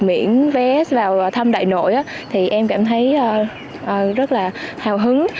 miễn vé vào thăm đại nội thì em cảm thấy rất là hào hứng